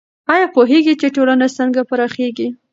آیا پوهېږئ چې ټولنه څنګه پراخیږي؟